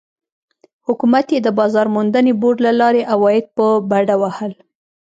حکومت یې د بازار موندنې بورډ له لارې عواید په بډه وهل.